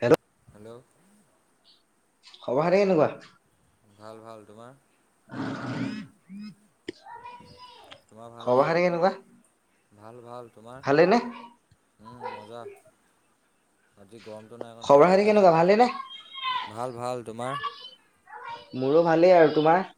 Hello hello. খবৰ কেনেকুৱা? ভাল ভাল। তোমাৰ? তোমাৰ ভাল খবৰ নাই খানে কেনেকুৱা? ভাল ভাল। তোমাৰ? ভালেই নে মজা। আজি গৰমটো নাই অকণ খবৰ শান্তি খাতি পাইছোঁ কেনেকুৱা বাৰু ভালেই নে ভাল ভাল। তোমাৰ? মোৰো ভালেই আৰু তোমাৰ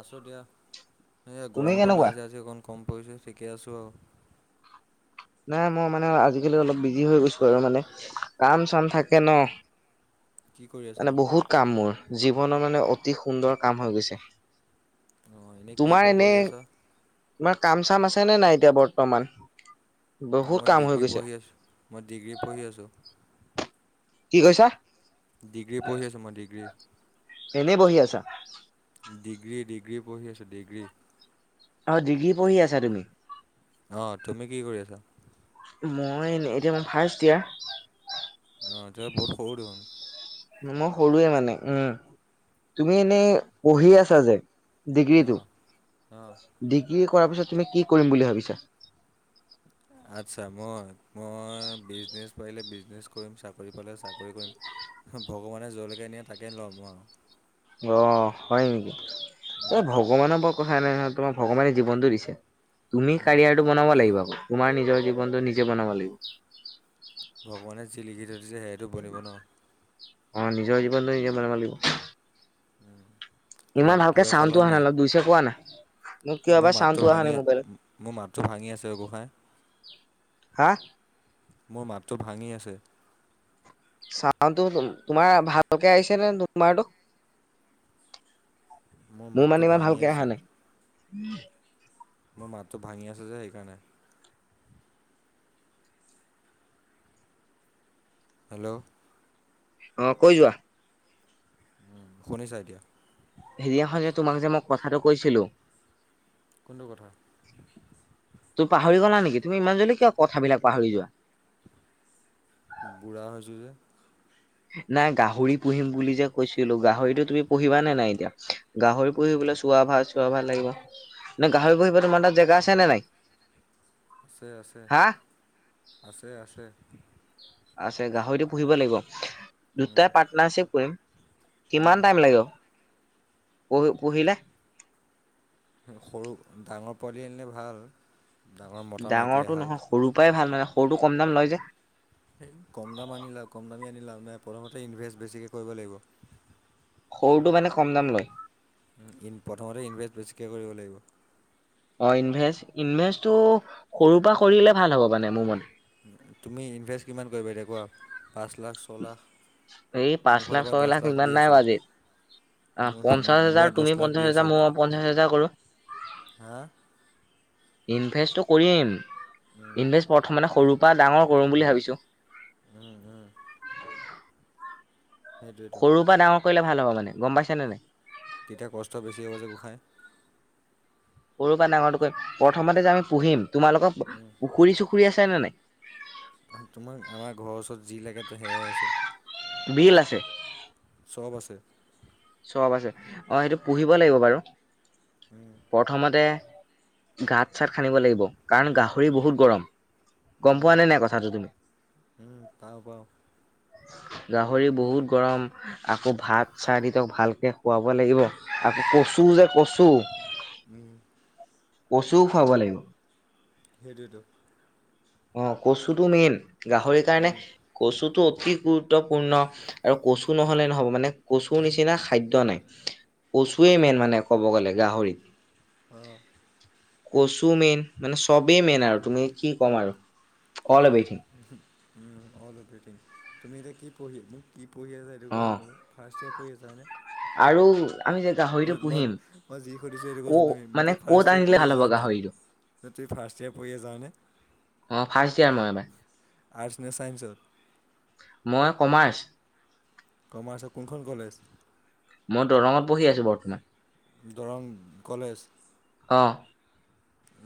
আছো দিয়া এই তুমি গৰমটো কেনেকুৱা নাই যে আজি অকণ কম পৰিছে ঠিকে আছোঁ আৰু নাই মই মানে আজিকালি অলপ বিজি হৈ গৈছো আৰু মানে কাম চাম থাকে ন কি কৰি মানে আছানো বহুত কাম মোৰ জীৱনৰ মানে অতি সুন্দৰ কাম হৈ গৈছে অঁ এনেই কি তোমাৰ বা এনে কৰি আছা তোমাৰ কাম চাম আছে নে নাই এতিয়া বৰ্তমান বহুত মই কাম হৈ ডিগ্ৰী গৈছে পঢ়ি আছোঁ মই ডিগ্ৰী পঢ়ি আছোঁ কি কৈছা ডিগ্ৰী পঢ়ি আছোঁ মই ডিগ্ৰী এনেই বহি আছা ডিগ্ৰী ডিগ্ৰী পঢ়ি আছো ডিগ্ৰী অ ডিগ্ৰী পঢ়ি আছা তুমি অ তুমি কি কৰি আছা মই এতিয়া মই ফাৰ্ষ্ট দিয়াৰ অ ত বহুত সৰু দেখোন মই সৰুৱে মানে উম তুমি এনেই পঢ়ি আছা যে ডিগ্ৰীটো অঁ অঁ ডিগ্ৰী কৰাৰ পিছত তুমি কি কৰিম বুলি ভাবিছা আচ্ছা মই মই বিজনেছ পাৰিলে বিজনেছ কৰিম চাকৰি পালে চাকৰি কৰিম ভগৱানে য'লৈকে নিয়ে তাকেই ল'ম আৰু অ হয় নেকি এই ভগৱানৰ বৰ কথা নাই নহয় তোমাৰ ভগৱানে জীৱনতটো দিছে তুমি কাৰয়াৰটো বনাব লাগিব আকৌ তোমাৰ নিজৰ জীৱনটো নিজে বনাব লাগিব ভগৱানে যি লিখি থৈ দিছে সেইয়টো বনিব ন অ নিজৰ জীৱনটো নিজ মন ম লাগিব কিবা ইমান ভালকে কিবা চাউণ্ডটো খালা অহা নাই অলপ জোৰছে কোৱা না। কিয় মোৰ বা মাতটো চাউণ্ডটো অহা ভাঙি নাই মোবাইলত। মোৰ মাতটো ভাঙি আছে গোসাঁই হা মোৰ মাতটো ভাঙি আছে চাউো তোমাৰ ভালকে আহিছে নে তোমাৰতো মোৰ মাতটো মানে ইমান ভাঙি ভালকে অহা আছে। নাই মোৰ মাতটো ভাঙি আছে যে সেইকাৰণে হেল্ল' অ কৈ যোৱা উ শুনিছা এতিয়া হেৰিয়াখ যে তোমাক যে মই কথাটো কৈছিলো কোনটো কথা তোৰ পাহৰি গলা নেকি তুমি ই যদি কিয় কথাবিলাক পাহৰি যোৱা বুঢ়া হৈ হৈছে যে নাই গাহৰি পুহিম বুলি যে কৈছিলো গাহৰিতটো তুমি পুহিব নে নাই এতিয়া গাহৰি পুহিবলৈ চোৱা ভাল চোৱা ভাল লাগিব নে গাহৰি পুহিব তোমাৰ তাক আছে আছে হা আছে আছে আছে গাহৰিটো পুহিব লাগিব উম দুটাই পাৰ্টনাৰশ্বিপ কৰিম উম। কিমান টাইম লাগিব পঢ়ি পঢ়িলে সৰু ডাঙৰ পোৱালি আনিলে ভাল ডাঙৰ মতা মাইকীয়ে ডাঙৰটো এহাল। নহয় সৰুৰ পৰাই ভাল মানে সৰুটো কম দাম লয় যে কম দাম আনি লা কম দামী আনি লাভ নহাই প্ৰথমতে ইনভেষ্ট বেছিকৈ কৰিব লাগিব [unintelligible] সৰুটো মানে কম দাম লয় ইন প্ৰথমতে ইনভেষ্ট বেছিকৈ কৰিব লাগিব অ ইনভেষ্ট ইনভেষ্টটো সৰুৰ পৰা কৰিলে ভাল হ'ব মানে মোৰ মতে তুমি ইনভেষ্ট কিমান কৰিবা দেকুৱা পাঁচ লাখ ছয় লাখ এই পাঁচ মোৰ ফালৰ লাখ পৰা ছয় দহ লাখ দি ইমান নাই আছোঁ বাজ অ মোৰ ফা- পঞ্চাছ মোৰ পৰা হাজাৰ দহ তুমি লাখ দি পঞ্চাছ হাজাৰ আছোঁ মই পঞ্চাছ হাজাৰ কৰো হা ইনভেষ্টটো কৰিম ইনভেষ্ট প্ৰথমে সৰুৰ পৰা ডাঙৰ কৰম বুলি ভাবিছো। উম, উম সেইটোৱেতো সৰুৰ পৰা ডাঙৰ কৰিলে ভাল হ'ব মানে গম পাইছে নে নাই? তেতিয়া কষ্ট বেছি হ'ব যে গোঁসাই সৰু বা ডাঙৰটো কৰিম প্ৰথমতে যে আমি পুহিম তোমালোকৰ পুখুৰী চুখুৰী আছে নে নাই? তোমাক আমাৰ ঘৰৰ ওচৰত যি লাগে সেয়াই আছে। বিল আছে চব আছে। চব আছে অ', সেইটো পুহিব লাগিব বাৰু প্ৰথমতে গাত চাত [unintelligible] লাগিব কাৰণ গাহ হৰি উম, বহুত গৰম গম উম, পোৱা নাই নাই কথাটো তুমি? উম, পাওঁ পাওঁ গাহৰি বহুত গৰম আকৌ ভাত চাত তেওঁক ভালকে খুৱাব লাগিব আকৌ কচু যে কচু উম, কচুও খুৱাব লাগিব। সেইটোৱেটো অ', কচুটো মেইন গাহৰিৰ কাৰণে উম, কচুতো অতি গুৰুত্বপূৰ্ণ আৰু কচু নহ'লে নহ'ব মানে কচু কচুৰ নিচিনা খাদ্য নাই কচুৱেই মেইন মানে ক'ব গ'লে গাহৰিত। অ'। কচু মেইন মানে চবেই মেইন আৰু তুমি কি ক'ম আৰু [unintelligible] অল এভ্ৰিথিং তুমি এতিয়া কি পঢ়ি মোক কি পঢ়ি আ [unintelligible] অ ফাৰ্ষ্টইয়েৰ পঢ়ি আচা হয়নে? আৰু আমি যে গাহৰিটো নই মই পুহিম মই যি সুধিছো সেইটো ক কথা তুমি মানে [unintelligible] ক'ত ফাৰ্ষ্ট ইয়েৰ আনিলে পঢ়ি ভাল আছা হ'ব হয় নাই? গাহৰিটো [unintelligible] ফাৰ্ষ্ট ইয়েৰ পঢ়ি আছা হয়নে? অ', ফাৰ্ষ্ট ইয়াৰ মই এবাৰ। আৰ্টছ নে চাইেঞ্চত? মই কমাৰ্চ। কমাৰ্চৰ কোনখন কলেজ? মই দৰঙত পঢ়ি আছো বৰ্তমান। দৰং কলেজ। অ'।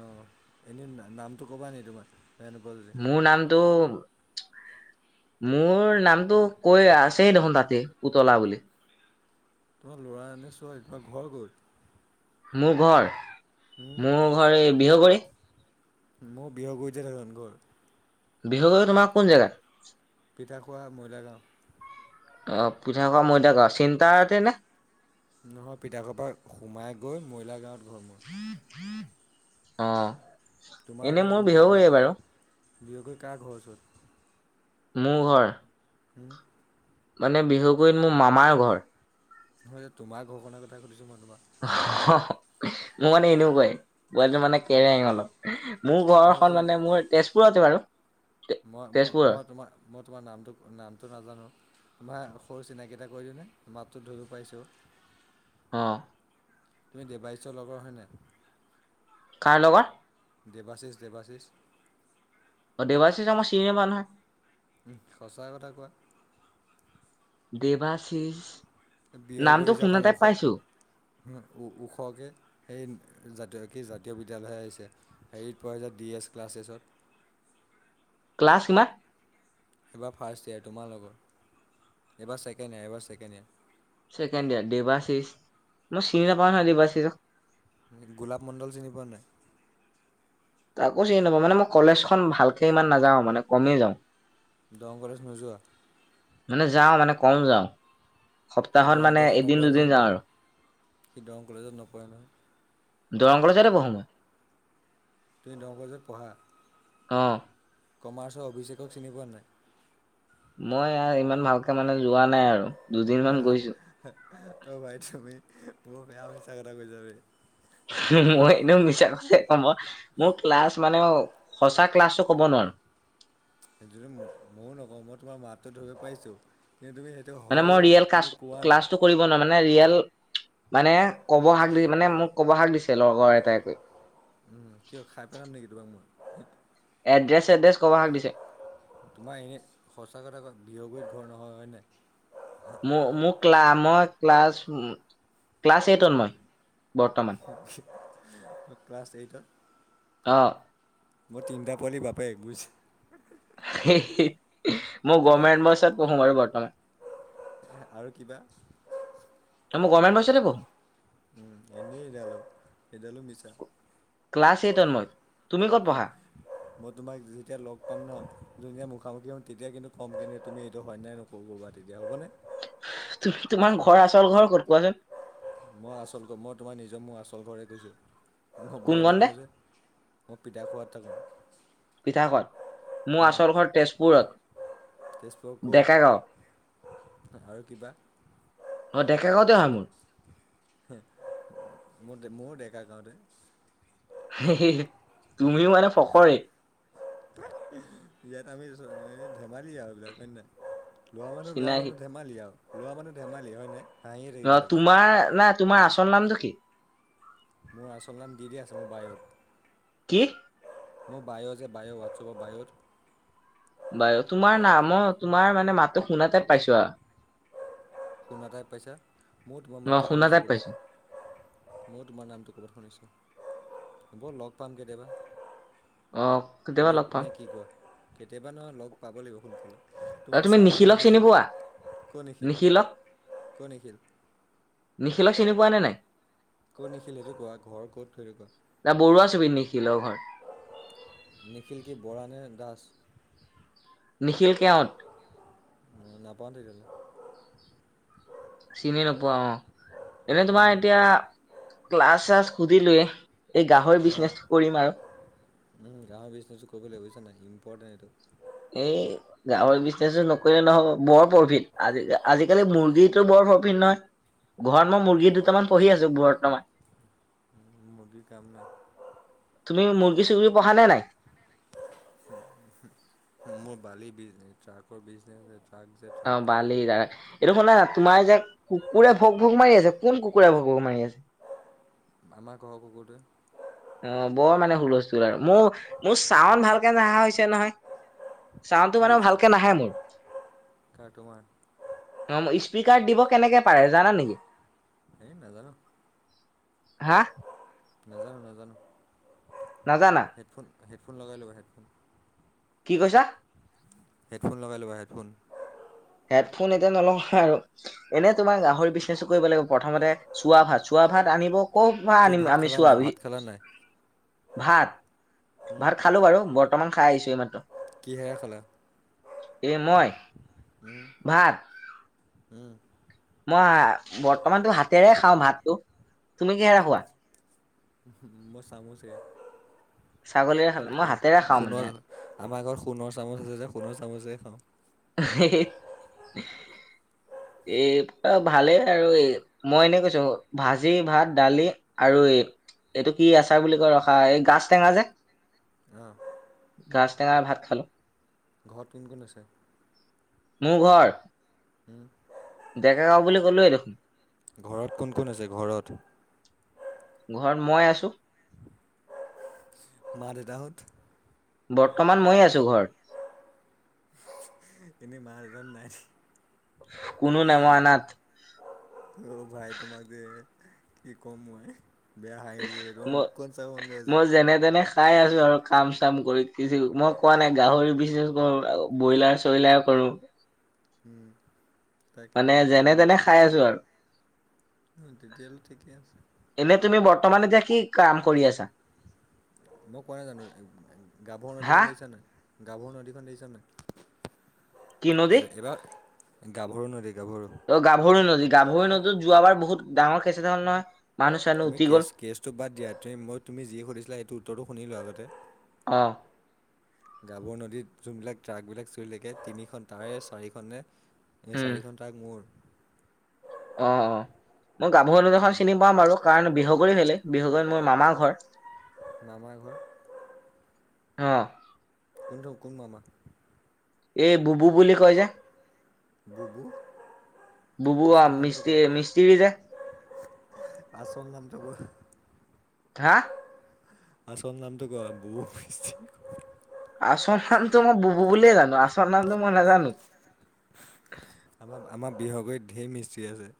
অ', এনে নামটো কবা নেকি তোমাৰ বেয়া নোপোৱা য মোৰ নামটো মোৰ নামটো কৈ আছে দেখোন তাতে পুতলা বুলি। তোমাৰ ল'ৰা নে ছোৱালী? তুমাৰ ঘৰ ক'ত? মোৰ ঘৰ উম, মোৰ ঘৰ এই বিহগুৰি। মোৰ বিহগু [unintelligible] ঘৰ। বিহুগুৰি তোমাৰ কোন জেগাত? পিঠাখোৱা ময়দা গাঁও। অ', পিঠা খোৱা ময়দা গাও, চিন্তাৰতে নে? নহয় পিতাকৰ পৰা সোমাই গৈ মৰিলা গাঁৱত ঘৰ মোৰ। অ'। তোমাৰ এনে ঘৰ মোৰ কোন [unintelligible] বিহগুৰিয়ে বাৰু বিহগুৰি কাৰ ঘৰ ওচৰত? মোৰ ঘৰ? উম। মানে বিহুগুৰিত মোৰ মামাৰ ঘৰ। [unintelligible] তোমাৰ ঘৰখনৰ কথা সুধছোঁ মই তোমাক। মোৰ মানে এনেও কয় [unintelligible] মানে কেৰেং অলপ মোৰ নহয় ঘৰখন মানে মোৰ তেজপুৰতে বাৰু তেজপুৰৰ মই-মই-মই তোমাৰ মই তোমাৰ নামটো নামটো নাজানো। মই সৰু চিনাকি এটা কৰি দিওঁনে? মাতটো ধৰিব পাৰিচো। অ'। তুমি দেবাইছৰ লগৰ হয়নে কাৰ লগত দেৱাশিষ দেৱাশিষ অ দেৱশী যে ম চিনে বানহে সঁচা কথা কোৱা দেৱাশিষ বিহগ নামটো শুনা যাখন টাইপ ওখ পাইছো ওখকৈ সেই জাতীয় কি জাতীয় বিদ্যালয় আহিছে হেৰিত পোৱা় হৈ যায় ডি এছ ক্লাছ এছত ক্লাছ কিমান এইবাৰ ফাৰ্ষ্ট ইয়োৰ তোমাৰ লগৰ এইবাৰ ছেকেণ্ড ইয়াৰ এইবাৰ ছেকেণ্ড ইয়োৰ ছেকেণ্ড ইয়াৰ দেবা চিৰিজ মই চিনি নাপাওঁ নহয় দেবা চিৰিজক গোলাপ মণ্ডল চিনি পোৱা নাই তাকো চ নাপা মানে মই কলেজখন ভালকে ইমান নাযাও মানে কমেই যাওঁ ডংগৰ নোযোৱা মানে যাওঁ মানে কম যাওঁ সি সপ্তাহত দৰং মানে কলেজত এদিন নপঢ়ে দুদিন নহয় যাওঁ আৰু সি দৰং কলেজত নপঢ়ে নহয় দৰংল চাৰে বহমই তুমি ন কলেজত পঢ়া অ'। কমাৰ্চৰ অভিষেকক চিনি পোৱা নাই মই ইমান ভালকে মানে যোৱা নাই আৰু দুদিন মান হা গৈছো ত' ভাই তুমি বহোৰ বেয়া পছা কথা কৈ যাবি মই এনেও মিছাছে ক মোৰ ক্লাছ মানে সঁচা ক্লাছটো ক'ব নোৱাৰো সেইটো ময়ো নকওঁ মই তোমাৰ মাতটো ধৰিব পাৰিছোঁ কিন্তু তুমি সেই এয়া মানে মই হয়ো ৰিয়েল ক্লাছ কিন্তু কোৱা নাই ক্লাছটো কৰিব নোৱাৰ মানে ৰিয়েল মানে কব শাক দি মানে মোক কব শাক দিছে লগৰ এটাইকৈ কিয় খাই পেলাম নেকি তোমাক মই এড্ৰেছ এড্ৰে ক'ব শাক দিছে তোমাৰ এনেই সঁচা কথা ক বিহগী ঘৰ নহয় হয়নোই ম মোক ক্লা মই ক্লাছ ক্লাছ এইটত মই বৰ্তমান ক্লাছ এইটত অঁ মোৰ তিনিটা পোৱালি বাপে গৈছে মোৰ গভৰ্মেণ্ট বছত পঢ়ো বাৰু বৰ্তমান আৰু কিবা মই গভমেণ্ট বইচতে পঢ়ো উম এনেডাল সেইডালো মিছা ক্লাছ এইটত মই তুমি ক'ত পঢ়া মই তোমাক যেতিয়া লগ পাম ন যুনীয়া মুখামুখি হ'ম তেতিয়া কিন্তু ক'ম কিন্তু তুমি এইটো হয় নাই ন ক'ব পাতি দা হ'বণনে তোমাৰ ঘৰ আচল ঘৰ ক'ত কোৱাচোন মই আচল ঘ মই তোমাৰ নিজৰ মোৰ আচল ঘৰে কৈছোঁ মই কোন ভয় কণতে নকওঁ যে মোৰ পিঠা খোৱ থাকওঁ পিঠা ক মোৰ আচলখন তেজপুৰত তেজপুৰৰ ক'ত ডেকা গাঁও আৰু কিবা অঁ ডেকা গাঁওঁতে অা মোৰ মোৰ মোৰ ডেকা গাওঁতে তুমিও মানে ফকৰে ইয়াত আমি ধেমালি আৰু এইবিলাক হয় ন লোৱা মানুহ লোৱা চিনাকি মানুহ ধেমালি আৰু লোৱা মানুহ ধেমালি হয়নে হাঁহিয়ে থাকিব অ লাগে তোমাৰ নাই তোমাৰ আচল নামটো কি মোৰ আচল নাম দি দিয়া আছে মোৰ বায়'ত কি মোৰ বায়' যে বায়' হোৱাটচ্আপৰ বায়'ত বায়' তোমাৰ নাম মই তোমাৰ মানে মাতটো শুনা টাইপ পাইছো আ শুনা টাইপ পাইছা ময়ো তোমাৰ অ মাতটো শুনা শুনিছোঁ টাইপ পাইছো ক'ৰবাত ময়ো তোমাৰ নামটো ক'ৰবাত শুনিছোঁ হ'ব লগ পাম কেতিয়াবা অ কেতিয়াবা লগ পাম নে কি কয় কেতিয়াবা নহয় লগ পাব লাগিব সোনকালে অ তোমাক তুমি চাব মন নিখিলক গৈছে চিনি বে পোৱা অ' নিখিল নিখিলক ক'ৰ নিখিল? নিখিলক চিনি পোৱা নে নাই ক'ত নিখিল সেইটো কোৱা ঘৰ ক'ত সেইটো কোৱা এটা বৰুৱা চুবুৰিত নিখিলৰ ঘৰ নিখিল কি বৰা নে দাস নিখিল কেওঁট ম নাপাওঁ তেতিয়াহ'লে চিনি নোপোৱা অ এনেই তোমাৰ উম, এতিয়া ক্লাছ চ্লাছ সুধিলোয়ে এই গাহৰি বিজনেচ কৰিম আৰু উ গাহৰি বিজনেছটো কৰিব লাগিব বুইছ নাই ইম্পৰ্টেণ্ট এইটো এই গাহৰি বিজনেছ টো নকৰিলে নহব বৰ প্ৰফিট আজ আজিকালি মুৰ্গীটো বৰ প্ৰফিট নহয় ঘৰত মই মুৰ্গী দুটামান পঢ়ি আছো বৰ্তমান মুৰ্গীৰ কাম নাই তুমি মুৰ্গী চুৰ্গী পঢা নে নাই মোৰ বালি বিজনেছ ট্ৰাকৰ বিজনেচ ট্ৰাক যে অ ট্ৰাক। বাল এৰা এইটো শুনা না তোমাৰ যে কুকুৰে ভূক ভূক মাৰি আছে কোন কুকুৰে ভূক ভূক মাৰি আছে আমাৰ ঘৰৰ কুকৰটোৱে অ বৰ মানে হুলস্থুল আৰু মোৰ মোৰ চাউন্ড ভালকে নহা হৈছে নহয় চাউন্ডটো কি মানে হৈছে ভালকে এতিয়া? নাহে মোৰ কাৰ তোমাৰ? অ স্পীকাৰ দিব কেনেকে পাৰে জানা নেকি হেই নাজানো হা নাজানো নাজানো নাজানা হেডফোন হেডফোন লগাই ল'বা হেডফোন কি কৈছা হেডফোন লগাই ল'বা হেডফোন হেডফোন এতিয়া নলওঁ আৰু এনে তোমাৰ গাহৰি বিজনেচো কৰিব লাগিব প্ৰথমতে চুৱা ভাত চুৱা ভাত আনিব কৰ পৰা তুমি আনিম ভাত আমি খালা চুৱা নাই ভি ভাত খালা নাই ভাত উম ভাত খালো বাৰু বৰ্তমান খাই আহিছো এই মাত্ৰ কিহেৰে খালা এই মই হু ভাত হম মই বৰ্তমানতো হাতেৰে খাওঁ ভাতটো তুমি কিহেৰে খোৱা মই চামোচে ছাগলীৰে সো খালা মই সো হাতেৰে খাওঁ মানে সোনৰ আমাৰ ঘৰত সোণৰ চামুচ আছে যে সোণৰ চামুচে খাওঁ [inaudible] হয়। এই ভালেই আৰু এই। মই এনে কৈছো ভাজি ভাত দালি আৰু এই এইটো কি আচাৰ বুলি কয় ৰখা এই গাজ টেঙা যে। অ'। গাজ টেঙাৰ ভাত খালো। ঘৰত কোন কোন আছে? মোৰ ঘৰ? উম, ডেকা গাঁও বুলি ক'লোয়ে দেখোন। ঘৰত কোন কোন আছে ঘৰত? ঘৰত মই আছো। মা দেউতাহঁত? বৰ্তমান ময়ে আছো ঘৰত। এনে মা দেতা নাই? কোনো নাই অনাথ। অ', ভাই তোমাক যে কি কম মই। বেয়া হাঁহি উঠিছে বে তোমাৰ মুখখন চাব মন গৈছে। তেনে তেনে খাই আছো আৰু কাম চাম কৰি কিছ মই কোৱা নাই গাহৰি বিচনেজ কৰো ব্ৰইলাৰ চইলাৰ কৰো। উম তাকে মানে মই যেনে তেনে খাই আছো আৰু। অ', তেতিয়া হ'লে ঠিকে আছে। এনে তুমি বৰ্তমানে কি কাম কৰি আছা? মই কোৱা নাই জানো গাভৰু হা নদীখন দেখি চানে নাই? গাভৰু নদীখন দেখিচানে নাই কি নদী এই-এইবাৰ গাভৰু নদী গাভৰু। অ', গাভৰি নদী গাভৰি নদীত যোৱা বাৰ বহুত ডাঙৰ কেচ এটা হ'ল নহয়। মানুহ চানুহ তুমি উটি গ'ল কেচ কেছটো বাদ দিয়া তুমি মক তুমি যি সুধিছিলা সেইটো উত্তৰটো শুনিলোঁ আগতে। অ'। গাভৰ নদীত যোনবিলাক ট্ৰাকবিলাক চৰি থাকে তিনিখন তাৰে চাৰিখনে উম চাৰিখন ট্ৰাক মোৰ। অ', অ'। মই গাভৰু নদীখন চিনি পাওঁ বাৰু কাৰণ বিহগুৰী ফালে বিহগুৰীত মোৰ মামাৰ ঘৰ। মামা ঘৰ? অ'। কোনটো কোন মামা? এই বুবু বুলি কয় যে। বুবু বুবু বা আচল নামটো মিস্ত্রী কোৱা মিস্ত্রী যে। আচল নামতো কোৱা। হা? আচল নামটো কোৱা, বুবু মিস্ত্রি আচল নামটো মই বুবু বুলিয়ে জানো আচল নামটো মই নাজানো। আমাৰ আমাৰ বিহগুৰিত ধে মিস্ত্ৰী আছে।